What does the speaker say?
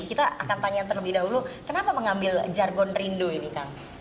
kita akan tanya terlebih dahulu kenapa mengambil jargon rindu ini kang